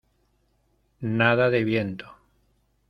nada de viento.